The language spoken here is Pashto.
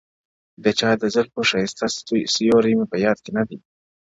• د چاد زلفو ښايسته سيوري مي په ياد كـي نـــه دي،